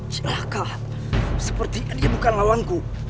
cik laka sepertinya dia bukan lawanku